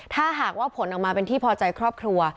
ถ้าหากว่าผลออกมาเป็นที่พอใจครอบครัว